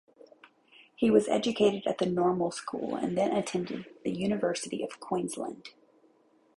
He was educated at the Normal School and then attended the University of Queensland.